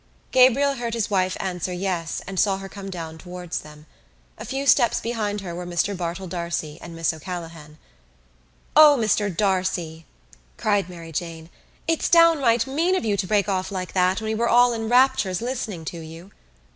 Gabriel heard his wife answer yes and saw her come down towards them. A few steps behind her were Mr Bartell D'Arcy and Miss O'Callaghan. "O, Mr D'Arcy," cried Mary Jane, "it's downright mean of you to break off like that when we were all in raptures listening to you."